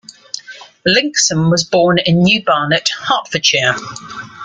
Linkson was born in New Barnet, Hertfordshire.